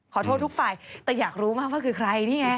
ขอโทษทุกฝ่ายแต่อยากรู้มากว่าคือใครนี่ไง